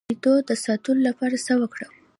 د شیدو د ساتلو لپاره څه وکړم؟